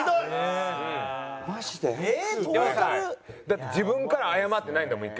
だって自分から謝ってないんだもん